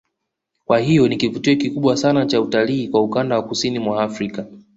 Kwa hiyo ni kivutio kikubwa sana cha utalii kwa ukanda wa kusini mwa Afrika